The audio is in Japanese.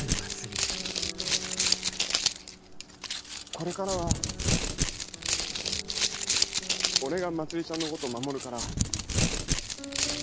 これからは俺が茉莉ちゃんのこと守るから。